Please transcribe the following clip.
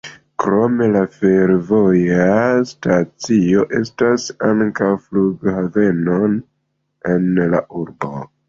Krom la fervoja stacio estas ankaŭ flughaveno en la urbo.